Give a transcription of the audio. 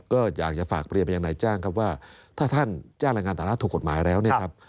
ก็อยากจะฝากบริเวณนายจ้างครับว่าถ้าท่านจ้างแรงงานต่างด้าวถูกกฎหมายแล้วเนี่ยครับ